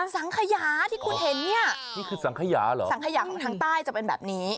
สังขยาที่คุณเห็นเนี่ยนี่คือสังขยาเหรอสังขยาของทางใต้จะเป็นแบบนี้